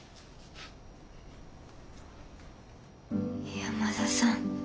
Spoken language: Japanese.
山田さん。